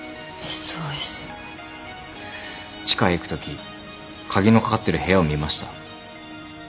地下へ行くとき鍵のかかってる部屋を見ました。